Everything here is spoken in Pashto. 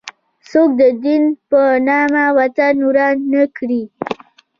څوک د دین په نامه وطن وران نه کړي.